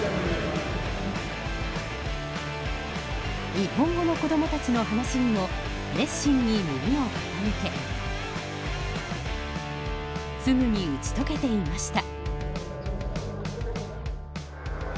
日本語の子供たちの話にも熱心に耳を傾けすぐに打ち解けていました。